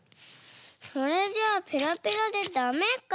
これじゃあペラペラでダメか。